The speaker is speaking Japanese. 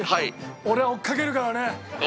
俺は追っかけるからね！